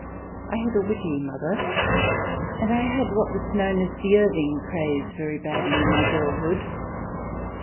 I had a witty mother, and I had what was known as the Irving craze very badly in my girlhood.